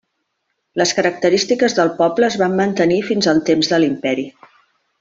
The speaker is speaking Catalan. Les característiques del poble es van mantenir fins al temps de l'imperi.